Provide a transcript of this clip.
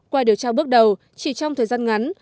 qua điều tra bước đầu chỉ trong thời gian ngắn